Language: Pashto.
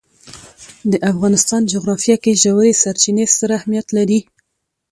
د افغانستان جغرافیه کې ژورې سرچینې ستر اهمیت لري.